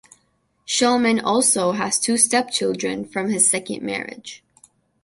Shulman also has two stepchildren from his second marriage.